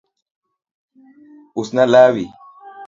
Us na lawni